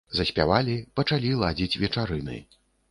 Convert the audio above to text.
Заспявалі, пачалі ладзіць вечарыны.